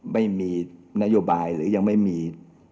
ไม่มีนโยบายหรือยังไม่มี